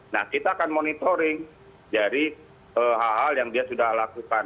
nah kita akan monitoring dari hal hal yang dia sudah lakukan